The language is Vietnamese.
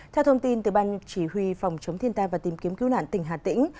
theo thông tin từ ban chỉ huy phòng chống thiên tai và tìm kiếm cứu nạn tỉnh hà tĩnh